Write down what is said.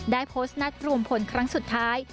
ได้โพสต์นัดรวมผลครั้งสุดท้าย